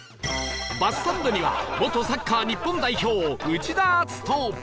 バスサンドには元サッカー日本代表内田篤人